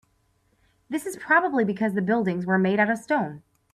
This is probably because the buildings were made out of stone.